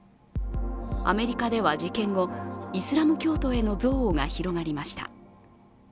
アメリカでは事件後、イスラム教徒への憎悪が広がりました。